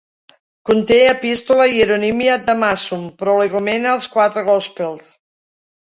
Conté Epistula Hieronymi ad Damasum, Prolegomena als quatre Gospels.